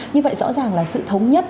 như vậy rõ ràng là sự thống nhất